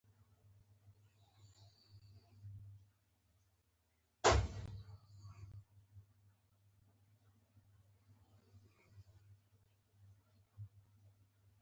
د ډیویډ جونز په یوه فلم کې ددې ځای خیالي کیسه تصویر شوې ده.